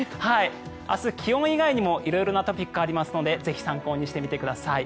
明日、気温以外にも色々なトピックがありますのでぜひ参考にしてみてください。